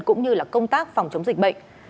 cũng như công tác phòng chống dịch bệnh